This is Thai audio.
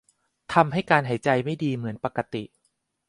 ทำให้การหายใจไม่ดีเหมือนปกติ